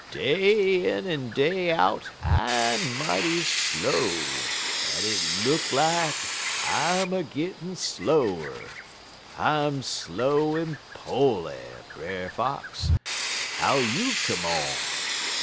'Day in en day out I'm mighty slow, en it look lak I'm a gittin' slower; I'm slow en po'ly, Brer Fox how you come on?'